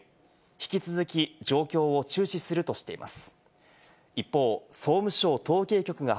引き続き状況を注視するとしています。